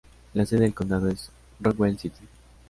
La sede del condado es Rockwell City.